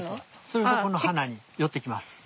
するとこの花に寄ってきます。